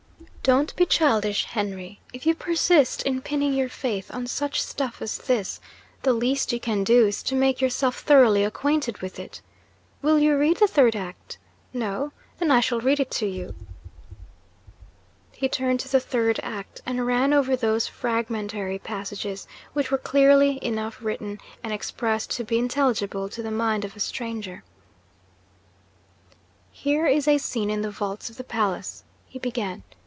'Don't be childish, Henry! If you persist in pinning your faith on such stuff as this, the least you can do is to make yourself thoroughly acquainted with it. Will you read the Third Act? No? Then I shall read it to you.' He turned to the Third Act, and ran over those fragmentary passages which were clearly enough written and expressed to be intelligible to the mind of a stranger. 'Here is a scene in the vaults of the palace,' he began.